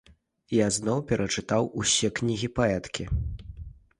Я зноў перачытаў усе кнігі паэткі.